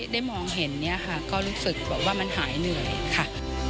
ได้มองเห็นก็รู้สึกว่ามันหายเหนื่อยค่ะ